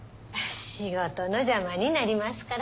仕事の邪魔になりますから。